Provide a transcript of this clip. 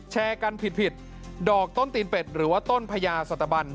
แชร์กันผิดดอกต้นตีนเป็ดหรือว่าต้นพญาสตบัน